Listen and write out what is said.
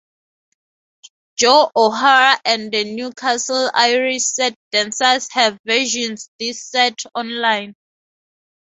Joe O'Hara and the Newcastle Irish Set Dancers have versions this set online.